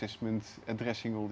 untuk menjawab semua masalah